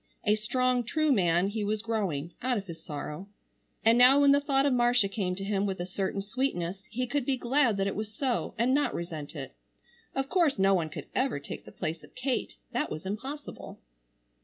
A strong true man he was growing, out of his sorrow. And now when the thought of Marcia came to him with a certain sweetness he could be glad that it was so, and not resent it. Of course no one could ever take the place of Kate, that was impossible.